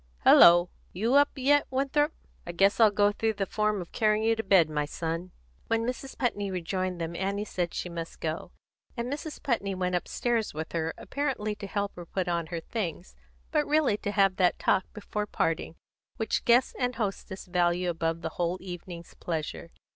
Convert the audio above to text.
Hello! you up yet, Winthrop? I guess I'll go through the form of carrying you to bed, my son." When Mrs. Putney rejoined them, Annie said she must go, and Mrs. Putney went upstairs with her, apparently to help her put on her things, but really to have that talk before parting which guest and hostess value above the whole evening's pleasure.